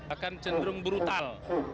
akan cenderung brutal